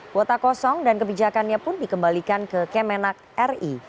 kuota kosong dan kebijakannya pun dikembalikan ke kemenak ri